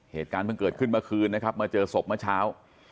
เหตุการณ์เพิ่งเกิดขึ้นเมื่อคืนนะครับมาเจอศพเมื่อเช้า